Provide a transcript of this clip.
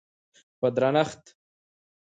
په درنښت،